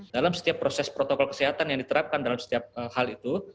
dalam setiap proses protokol kesehatan yang diterapkan dalam setiap hal itu